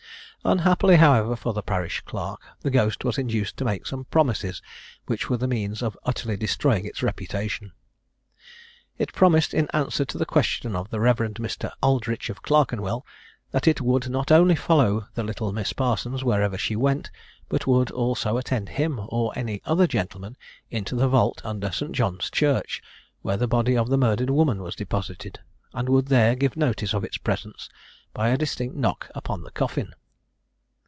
Unhappily, however, for the parish clerk, the ghost was induced to make some promises which were the means of utterly destroying its reputation. It promised, in answer to the questions of the Reverend Mr. Aldritch of Clerkenwell, that it would not only follow the little Miss Parsons wherever she went, but would also attend him, or any other gentleman, into the vault under St. John's church, where the body of the murdered woman was deposited, and would there give notice of its presence by a distinct knock upon the coffin.